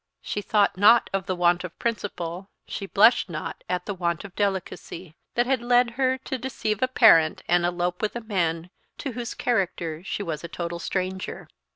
She thought not of the want of principle, she blushed not at the want of delicacy, that had led her to deceive a parent and elope with a man to whose character she was a total stranger.